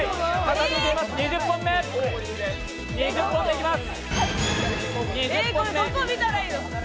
２０本目いきます。